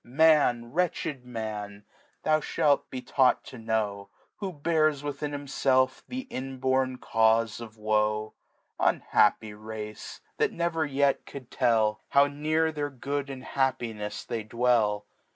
Man, wretched Man, thou ihalt be taueht toknovir^ Who bears within himfclf the inborn Caufe of Woe. Unhappy Race ! that never yet could tell. How near their Good and Happinefs they dwell.